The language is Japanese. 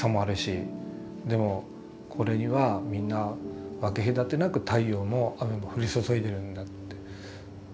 でもこれにはみんな分け隔てなく太陽も雨も降りそそいでるんだって。